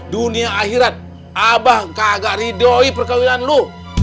dunia akhirat abah kagak ridhoi perkahwinan lu